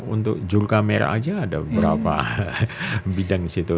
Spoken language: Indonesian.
untuk jurukamera aja ada beberapa bidang disitu